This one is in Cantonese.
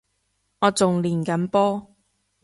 我仲練緊波